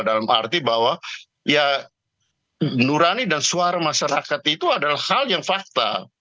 dalam arti bahwa ya nurani dan suara masyarakat itu adalah hal yang fakta